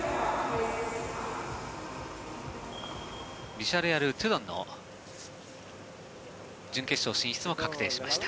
ビジャレアル・トゥドンの準決勝進出も確定しました。